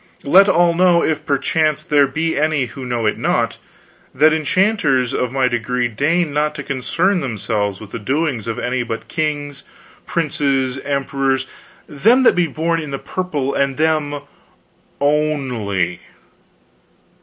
Let all know, if perchance there be any who know it not, that enchanters of my degree deign not to concern themselves with the doings of any but kings, princes, emperors, them that be born in the purple and them only.